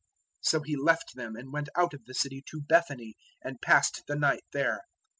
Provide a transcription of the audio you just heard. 021:017 So He left them and went out of the city to Bethany and passed the night there.